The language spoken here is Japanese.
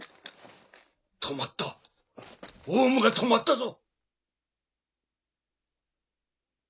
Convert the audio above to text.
止まった王蟲が止まったぞ。